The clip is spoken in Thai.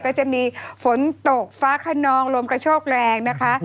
ก็จะมีฝนตกฟ้าขนองลมกระโชกแรงนะคะ